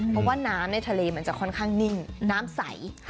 เพราะว่าน้ำในทะเลมันจะค่อนข้างนิ่งน้ำใส